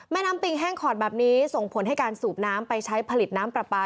แม่น้ำปิงแห้งขอดแบบนี้ส่งผลให้การสูบน้ำไปใช้ผลิตน้ำปลาปลา